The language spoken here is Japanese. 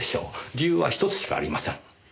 理由は１つしかありません。